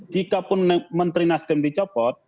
jikapun menteri nasdam dicopot